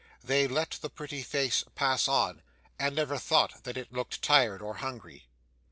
they let the pretty face pass on, and never thought that it looked tired or hungry.